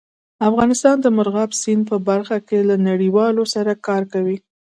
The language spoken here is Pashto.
افغانستان د مورغاب سیند په برخه کې له نړیوالو سره کار کوي.